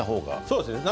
そうですね。